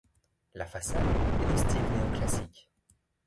La façade est de style néo-classique.